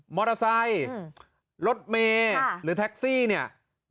มอเตอร์ไซค์รถเมย์หรือแท็กซี่เนี่ย